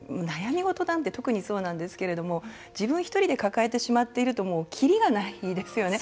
特にそうなんですけれども自分１人で抱えてしまっているときりがないですよね。